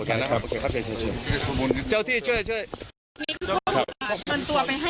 โอเคนะครับโอเคครับเชิญเชิญเจ้าที่เชิญเชิญเชิญตัวไป